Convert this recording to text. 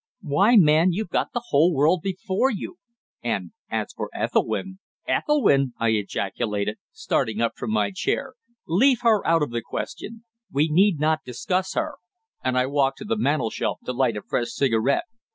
Why, man, you've got the whole world before you, and as for Ethelwynn " "Ethelwynn!" I ejaculated, starting up from my chair. "Leave her out of the question! We need not discuss her," and I walked to the mantelshelf to light a fresh cigarette.